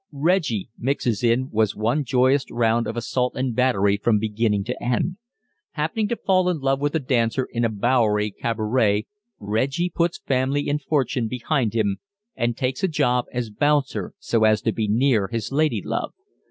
"Reggie Mixes In" was one joyous round of assault and battery from beginning to end. Happening to fall in love with a dancer in a Bowery cabaret, Reggie puts family and fortune behind him and takes a job as "bouncer" so as to be near his lady love.